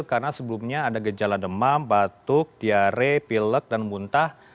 karena sebelumnya ada gejala demam batuk tiare pilek dan muntah